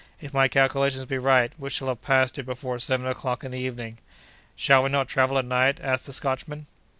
If my calculations be right we shall have passed it before seven o'clock in the evening." "Shall we not travel at night?" asked the Scotchman.